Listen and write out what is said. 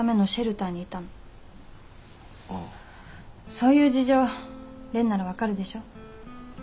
そういう事情蓮なら分かるでしょ。